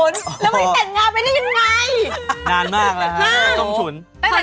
รีบก่อน